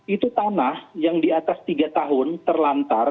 itu tanah yang di atas tiga tahun terlantar